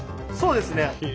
そうですね。